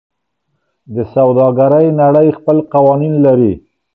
د سوداګرۍ نړۍ خپل قوانین لري.